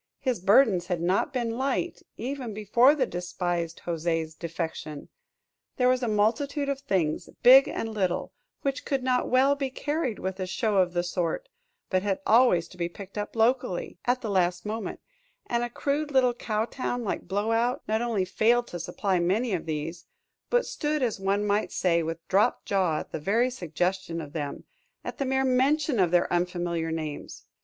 His burdens had not been light, even before the despised José's defection. There was a multitude of things, big and little, which could not well be carried with a show of the sort, but had always to be picked up locally, at the last moment; and a crude little cow town like Blowout not only failed to supply many of these, but stood, as one might say, with dropped jaw at the very suggestion of them at the mere mention of their unfamiliar names.